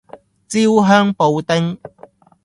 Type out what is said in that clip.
焦香布丁